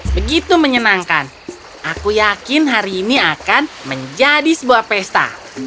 begitu menyenangkan aku yakin hari ini akan menjadi sebuah pesta